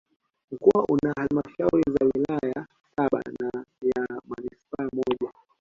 Mkoa una Halmashauri za wilaya saba na ya Manispaa moja